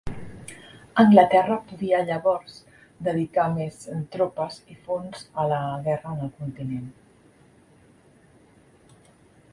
Anglaterra podia llavors dedicar més tropes i fons a la guerra en el continent.